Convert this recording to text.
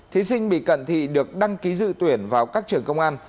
thí sinh bị cận thị được đăng ký dự tuyển vào các trường công an